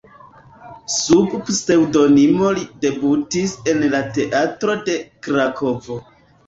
Sub pseŭdonimo li debutis en la teatro de Krakovo.